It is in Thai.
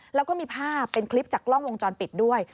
แล้วก็มีภาพเป็นคลิปจากกล้องวงจรปิดด้วย